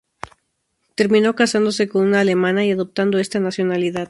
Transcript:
Terminó casándose con una alemana y adoptando esta nacionalidad.